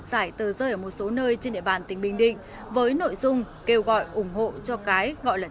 giải tờ rơi ở một số nơi trên địa bàn tỉnh bình định với nội dung kêu gọi ủng hộ cho cái gọi là